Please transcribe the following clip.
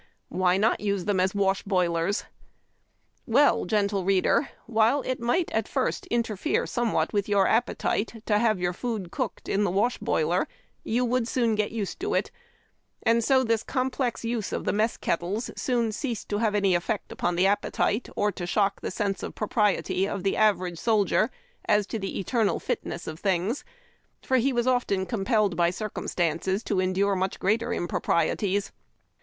Why not use them as wash boilers''* Well, "gentle reader," while it might at first interfere some what with your appetite to have 3M3ur food cooked in the wash boiler, you would soon get used to it ; and so this com plex use of the mess kettles soon ceased to affect the appetite, or to shock the sense of propriety of the average soldier as to the eternal fitness of things, for he was often compelled b^ circumstances to endure much greater improprieties.